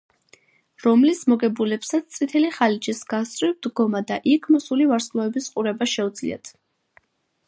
რომლის მოგებულებსაც წითელი ხალიჩის გასწვრივ დგომა და იქ მოსული ვარსკვლავების ყურება შეუძლიათ.